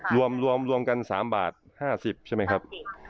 รวมกัน๓บาท๕๐ใช่ไหมครับ